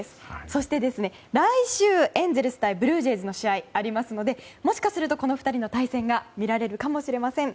そして、来週エンゼルス対ブルージェイズの試合がありますのでもしかするとこの２人の対戦が見られるかもしれません。